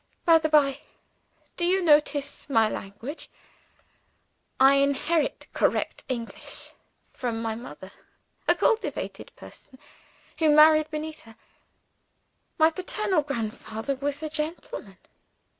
By the by, do you notice my language? I inherit correct English from my mother a cultivated person, who married beneath her. My paternal grandfather was a gentleman.